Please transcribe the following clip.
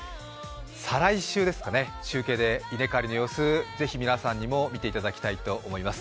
再来週ですかね、中継で稲刈りの様子、ぜひ皆さんにも見ていただきたいと思います。